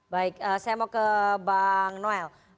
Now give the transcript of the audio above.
baik saya mau ke bang noel